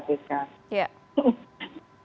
saya mau bicarakan